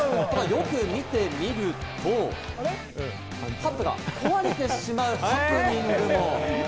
よく見てみると、角が壊れてしまうハプニングも。